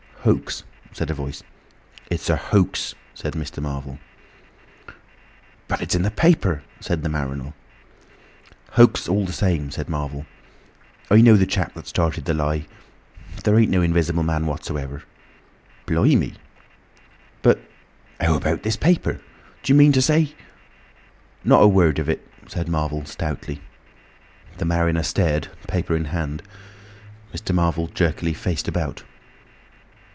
"Hoax," said a Voice. "It's a hoax," said Mr. Marvel. "But it's in the paper," said the mariner. "Hoax all the same," said Marvel. "I know the chap that started the lie. There ain't no Invisible Man whatsoever—Blimey." "But how 'bout this paper? D'you mean to say—?" "Not a word of it," said Marvel, stoutly. The mariner stared, paper in hand. Mr. Marvel jerkily faced about.